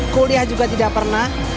kuliah juga tidak pernah